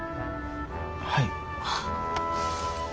はい。